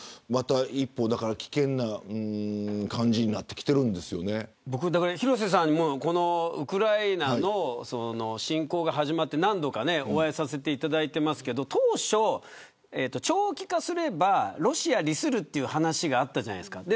そして例えばドイツとかに廣瀬さんにもこのウクライナの侵攻が始まって何度かお会いさせていただいてますが当初、長期化すればロシア利するという話があったじゃないですか。